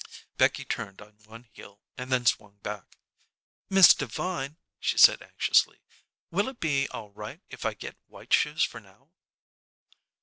Becky turned on one heel and then swung back. "Miss Devine," she said anxiously, "will it be all right if I get white shoes for now?"